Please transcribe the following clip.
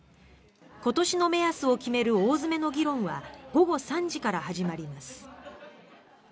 今年の目安を決める大詰めの議論は午後３時から始まります。